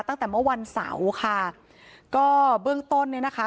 ตั้งแต่เมื่อวันเสาร์ค่ะก็เบื้องต้นเนี่ยนะคะ